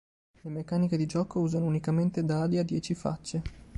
Le meccaniche di gioco usano unicamente dadi a dieci facce.